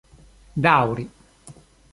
daŭri